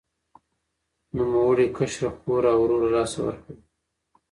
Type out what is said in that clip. نوموړي کشره خور او ورور له لاسه ورکړل.